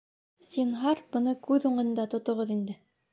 Зинһар, быны күҙ уңында тотоғоҙ инде